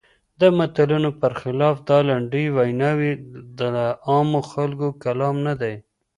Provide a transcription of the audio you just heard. د متلونو پر خلاف دا لنډې ویناوی د عامو خلکو کلام نه دی.